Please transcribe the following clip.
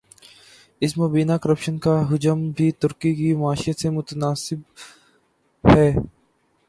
اس مبینہ کرپشن کا حجم بھی ترکی کی معیشت سے متناسب ہے۔